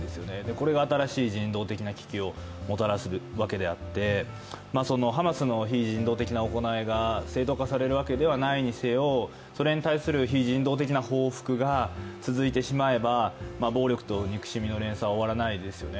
これが新しい人道的な危機をもたらすわけであって、ハマスの非人道的な行いが正当化されるわけではないにせよ、それに対する非人道的な報復が続いてしまえば暴力と憎しみの連鎖は終わらないですよね。